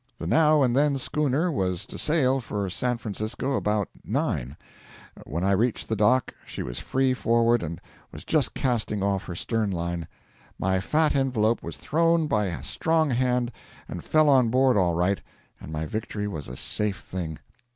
The now and then schooner was to sail for San Francisco about nine; when I reached the dock she was free forward and was just casting off her stern line. My fat envelope was thrown by a strong hand, and fell on board all right, and my victory was a safe thing.